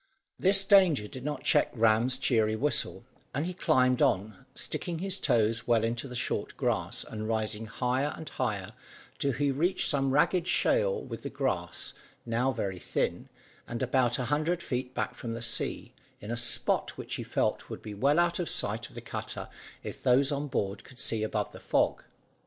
This danger did not check Ram's cheery whistle, and he climbed on, sticking his toes well into the short grass, and rising higher and higher till he reached some ragged shale with the grass, now very thin, and about a hundred feet back from the sea, in a spot which he felt would be well out of the sight of the cutter if those on board could see above the fog.